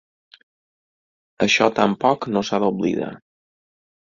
Això tampoc no s’ha d’oblidar.